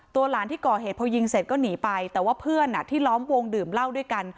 หลานที่ก่อเหตุพอยิงเสร็จก็หนีไปแต่ว่าเพื่อนที่ล้อมวงดื่มเหล้าด้วยกัน